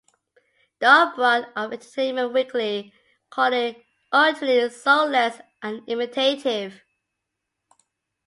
Doug Brod of "Entertainment Weekly" called it "utterly soulless and imitative".